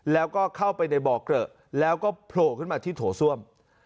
แล้วก็เข้าไปในบ่อเกลอะแล้วก็โผล่ขึ้นมาที่โถส้วม